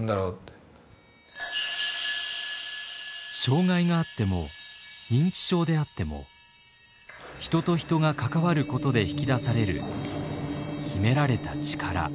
障害があっても認知症であっても人と人が関わることで引き出される秘められた力。